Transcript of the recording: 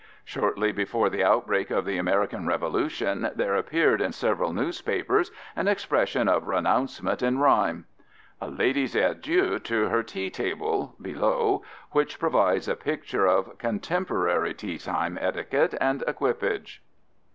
3). Shortly before the outbreak of the American Revolution there appeared in several newspapers an expression of renouncement in rhyme, "A Lady's Adieu to Her Tea Table" (below), which provides a picture of contemporary teatime etiquette and equipage.